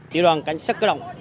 tiểu đoàn cảnh sát cơ động